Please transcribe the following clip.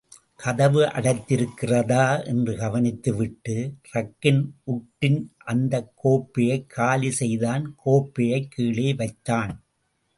கதவு அடைத்திருக்கிறதா என்று கவனித்துவிட்டு, ரக்கின் உட்டின் அந்தக் கோப்பையைக் காலி செய்தான், கோப்பையைக் கீழே வைத்தான்.